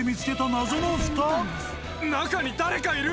中に誰かいる！